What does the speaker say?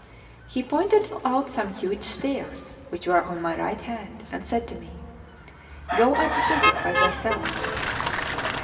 He pointed out some huge stairs which were on my right hand, and said to me: "Go up thither by thyself."